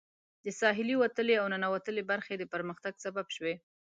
د ساحلي وتلې او ننوتلې برخې د پرمختګ سبب شوي.